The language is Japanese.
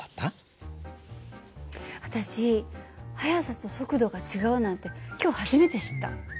私速さと速度が違うなんて今日初めて知った。